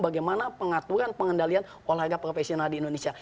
bagaimana pengaturan pengendalian olahraga profesional di indonesia